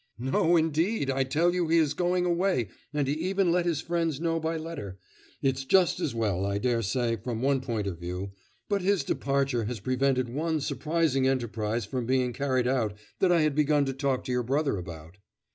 'No indeed! I tell you he is going away, and he even let his friends know by letter. It's just as well, I daresay, from one point of view; but his departure has prevented one surprising enterprise from being carried out that I had begun to talk to your brother about.